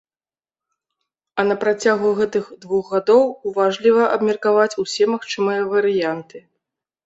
А на працягу гэтых двух гадоў уважліва абмеркаваць усе магчымыя варыянты.